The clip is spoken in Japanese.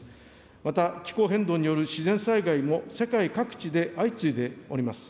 また、気候変動による自然災害も世界各地で相次いでおります。